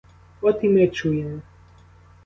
От і ми чуємо!